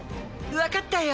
分かったよ。